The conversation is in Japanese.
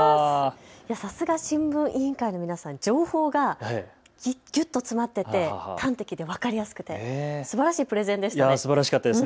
さすが新聞委員会の皆さん、情報がぎゅっと詰まっていて端的で分かりやすくてすばらしいプレゼンでしたね。